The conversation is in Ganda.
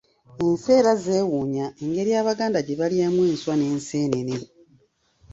Ensi era zeewuunya engeri Abaganda gye balyamu enswa n'enseenene.